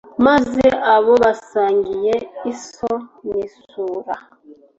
maze abo basangiye iso n’isura